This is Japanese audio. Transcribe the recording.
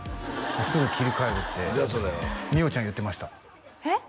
「すぐ切り替える」って美桜ちゃん言ってましたえっ？